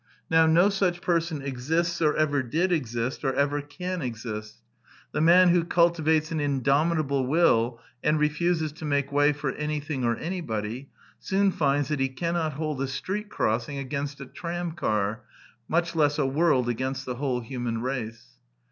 Now, no such per son exists, or ever did exist, or ever can exist. The man who cultivates an indomitable will and refuses to make way for anything or anybody, soon finds that he cannot hold a street crossing against a tram car, much less a world against the whole human race.